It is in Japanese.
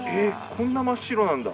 こんな真っ白なんだ。